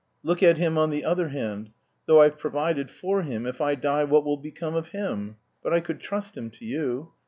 Look at him on the other hand. Though I've provided for him, if I die what will become of him? But I could trust him to you.